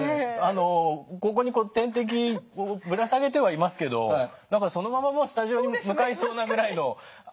ここに点滴をぶら下げてはいますけどそのままスタジオに向かいそうなぐらいの足取りですもんね。